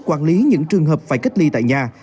quản lý những trường hợp phải cách ly tại nhà